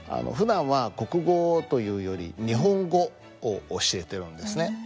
ふだんは国語というより日本語を教えてるんですね。